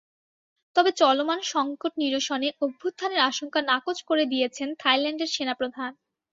তবে চলমান সংকট নিরসনে অভ্যুত্থানের আশঙ্কা নাকচ করে দিয়েছেন থাইল্যান্ডের সেনাপ্রধান।